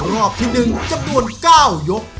รอบที่๑จำนวน๙ยก